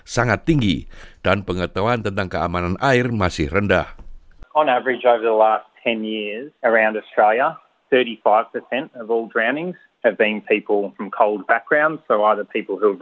sangat tinggi dan pengetahuan tentang keamanan air masih rendah